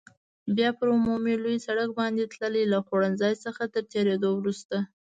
بیا پر عمومي لوی سړک باندې تللې، له خوړنځای څخه تر تېرېدو وروسته.